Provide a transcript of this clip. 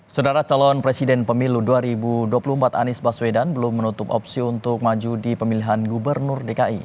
saudara calon presiden pemilu dua ribu dua puluh empat anies baswedan belum menutup opsi untuk maju di pemilihan gubernur dki